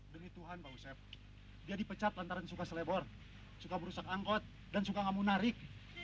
dengan tuhan pak ustaz dia dipecat lantaran suka selebor suka merusak angkot dan suka enggak mau narik